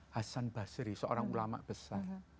hasan basri seorang ulama besar